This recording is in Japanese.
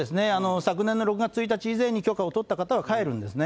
昨年の６月１日以前に許可を取った方は飼えるんですね。